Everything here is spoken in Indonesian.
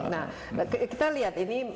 nah kita lihat ini